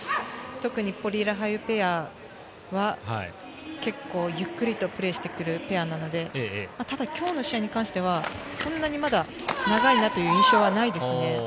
特にポリイ、ラハユペアは結構ゆっくりのプレーしてくるペアなので、ただ今日の試合に関しては、そんなに長いなという印象はないですね。